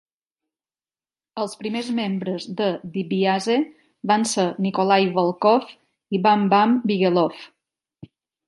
Els primers membres de DiBiase van ser Nikolai Volkoff i Bam Bam Bigelow.